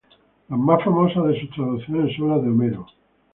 Las más famosas de sus traducciones son las de Homero.